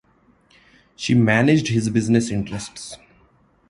She managed his business interests.